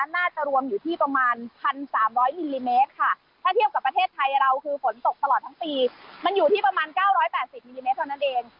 น่าจะรวมอยู่ที่ประมาณ๑๓๐๐มิลลิเมตรค่ะถ้าเทียบกับประเทศไทยเราคือฝนตกตลอดทั้งปีมันอยู่ที่ประมาณ๙๘๐มิลลิเมตรเท่านั้นเอง